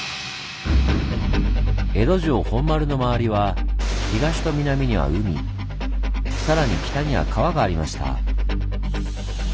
江戸城本丸の周りは東と南には海更に北には川がありました。